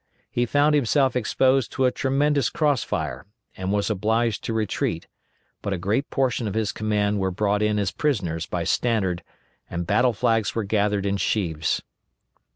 He found himself exposed to a tremendous cross fire, and was obliged to retreat, but a great portion of his command were brought in as prisoners by Stannard* and battle flags were gathered in sheaves.